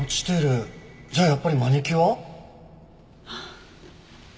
じゃあやっぱりマニキュア？